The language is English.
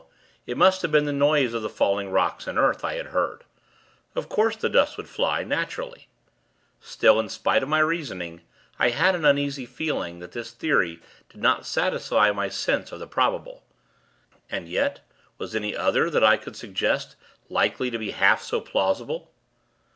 It must have been the noise of the falling rocks and earth, I had heard; of course, the dust would fly, naturally. Still, in spite of my reasoning, I had an uneasy feeling, that this theory did not satisfy my sense of the probable; and yet, was any other, that I could suggest, likely to be half so plausible?